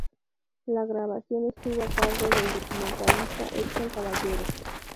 La grabación estuvo a cargo del documentalista Edson Caballero.